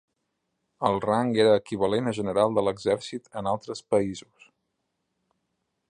El rang era equivalent a General de l'Exèrcit en altres països.